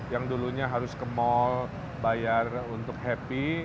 yang dulunya harus ke mall bayar untuk happy